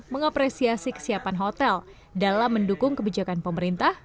mengapresiasi kesiapan hotel dalam mendukung kebijakan pemerintah